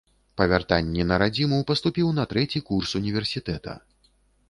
Па вяртанні на радзіму паступіў на трэці курс універсітэта.